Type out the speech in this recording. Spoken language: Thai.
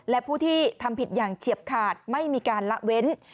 และผู้ที่ทำผิดอย่างเฉียบขาดไม่มีการละเว้น